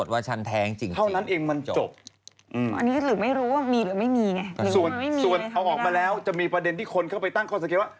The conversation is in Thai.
ส่วนเอาออกมาแล้วจะมีประเด็นที่คนเข้าไปตั้งข้อสังเกตว่า